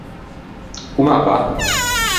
Comm’a va?